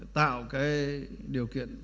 tạo cái điều kiện